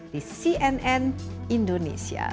di cnn indonesia